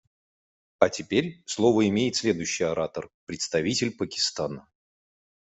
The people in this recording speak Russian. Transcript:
А теперь слово имеет следующий оратор − представитель Пакистана.